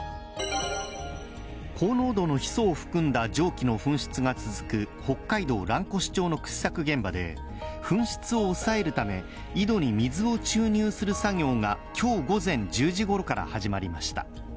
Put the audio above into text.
高濃度のヒ素を含んだ蒸気の噴出が続く北海道蘭越町の掘削現場で、噴出を抑えるため、井戸に水を注入する作業が今日午前１０時ごろから始まりました。